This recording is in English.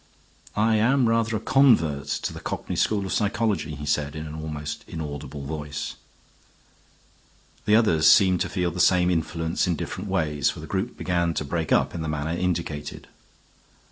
"I am rather a convert to the cockney school of psychology," he said in an almost inaudible voice. The others seemed to feel the same influence in different ways, for the group began to break up in the manner indicated.